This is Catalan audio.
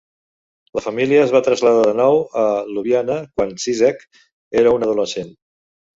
La família es va traslladar de nou a Ljubljana quan Žižek era un adolescent.